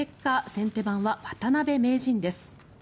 先手番は渡辺名人です。